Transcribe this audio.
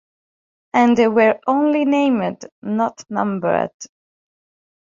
And they were only named, not numbered.